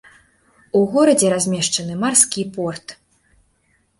У горадзе размешчаны марскі порт.